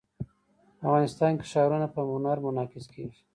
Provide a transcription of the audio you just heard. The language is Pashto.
افغانستان کې ښارونه په هنر کې منعکس کېږي.